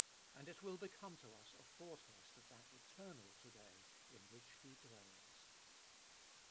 And it will become to us a foretaste of that eternal To day In which He dwells.